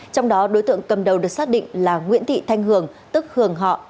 trong đó đối tượng cầm đầu được xác định là nguyễn thị thanh hường tức hường họ